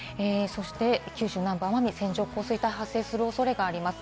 九州南部、奄美、線状降水帯が発生する恐れがあります。